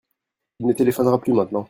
Il ne téléphonera plus maintenant.